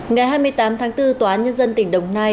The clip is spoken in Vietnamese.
ngày hai mươi tám tháng bốn tòa án nhân dân tỉnh đồng nai